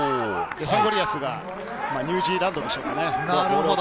サンゴリアスがニュージーランドでしょうかね。